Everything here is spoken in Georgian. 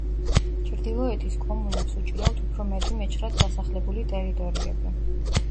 ჩრდილოეთის კომუნებს უჭირავთ უფრო მეტი მეჩხრად დასახლებული ტერიტორიები.